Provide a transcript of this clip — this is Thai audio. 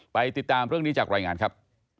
ติดตามเรื่องนี้จากรายงานครับ